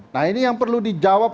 nah ini yang perlu dijawab